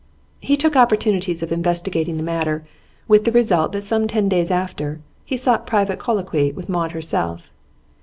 He took opportunities of investigating the matter, with the result that some ten days after he sought private colloquy with Maud herself.